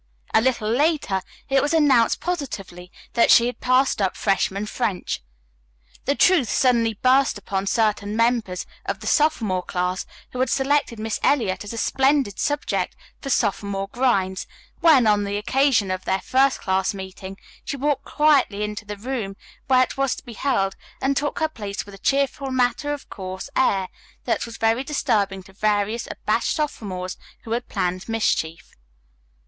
A little later it was announced positively that she had passed up freshman French. The truth suddenly burst upon certain members of the sophomore class who had selected Miss Eliot as a splendid subject for sophomore grinds, when, on the occasion of their first class meeting, she walked quietly into the class room where it was to be held, and took her place with a cheerful, matter of course air that was very disturbing to various abashed sophomores who had planned mischief.